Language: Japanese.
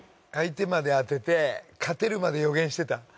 相手まで当てて勝てるまで予言してた？